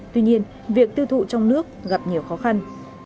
tuy nhiên việc tiêu thụ trong nước gặp nhiều khó khăn